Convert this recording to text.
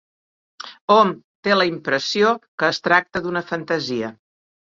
Hom té la impressió que es tracta d'una fantasia.